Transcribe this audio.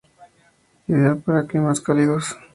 Ideal para climas cálidos.